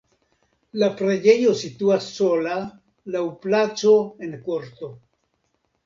La preĝejo situas sola laŭ placo en korto.